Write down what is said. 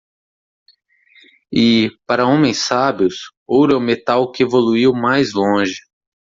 E? para homens sábios? ouro é o metal que evoluiu mais longe.